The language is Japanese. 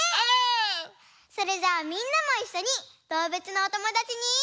それじゃあみんなもいっしょにどうぶつのおともだちに。